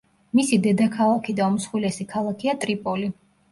მისი დედაქალაქი და უმსხვილესი ქალაქია ტრიპოლი.